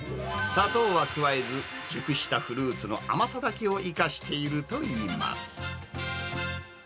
砂糖は加えず、熟したフルーツの甘さだけを生かしているといいます。